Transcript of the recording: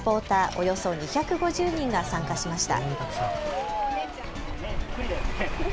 およそ２５０人が参加しました。